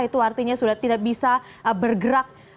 itu artinya sudah tidak bisa bergerak